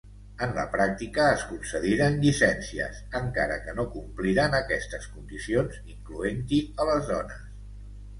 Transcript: En la pràctica, es concediren llicències encara que no compliren aquestes condicions, incloent-hi a les dones.